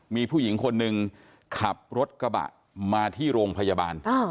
มีผู้หญิงคนหนึ่งขับรถกระบะมาที่โรงพยาบาล